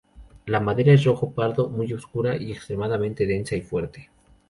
La madera es rojo pardo muy oscura y extremadamente densa y fuerte.